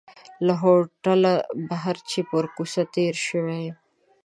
له هوټله بهر چې پر کوڅه تېر شوی یم.